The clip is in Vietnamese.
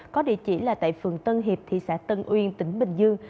có địa chỉ là tại phường tân hiệp thị xã tân uyên tỉnh bình dương